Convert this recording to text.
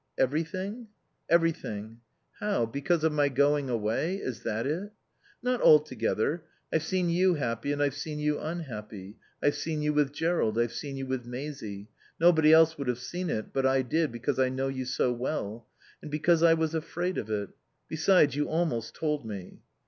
"Everything?" "Everything." "How? Because of my going away? Is that it?" "Not altogether. I've seen you happy and I've seen you unhappy. I've seen you with Jerrold. I've seen you with Maisie. Nobody else would have seen it, but I did, because I knew you so well. And because I was afraid of it. Besides, you almost told me."